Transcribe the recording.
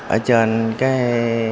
ở trên cái